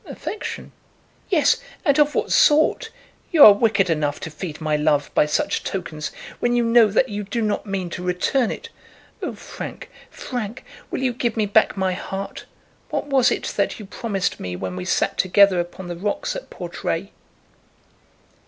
"Affection." "Yes; and of what sort? You are wicked enough to feed my love by such tokens, when you know that you do not mean to return it. Oh, Frank, Frank, will you give me back my heart? What was it that you promised me when we sat together upon the rocks at Portray?"